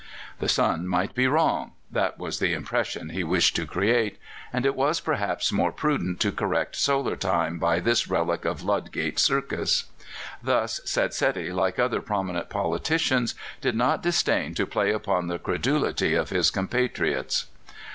The sun might be wrong that was the impression he wished to create and it was perhaps more prudent to correct solar time by this relic of Ludgate Circus. Thus Setsedi, like other prominent politicians, did not disdain to play upon the credulity of his compatriots.